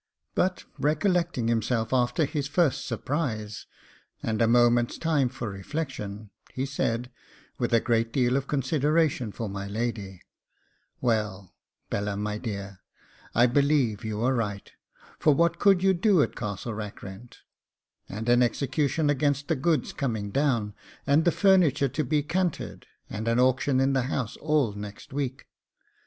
But recollecting himself after his first surprise, and a moment's time for reflection, he said, with a great deal of consideration for my lady, 'Well, Bella, my dear, I believe you are right; for what could you do at Castle Rackrent, and an execution against the goods coming down, and the furniture to be canted, and an auction in the house all next week?